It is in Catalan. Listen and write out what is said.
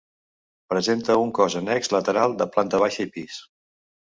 Presenta un cos annex lateral de planta baixa i pis.